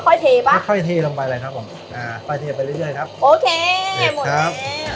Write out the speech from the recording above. ค่อยค่อยทีลงไปเลยครับผมอ่าค่อยทีลงไปเรื่อยเรื่อยครับโอเคหมดแล้ว